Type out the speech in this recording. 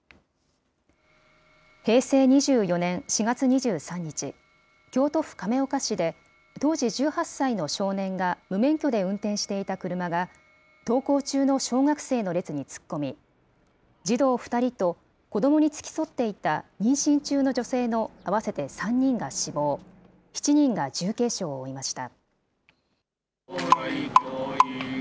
平成２４年４月２３日、京都府亀岡市で、当時１８歳の少年が無免許で運転していた車が登校中の小学生の列に突っ込み、児童２人と子どもに付き添っていた妊娠中の女性の合わせて３人が死亡、７人が重軽傷を負いました。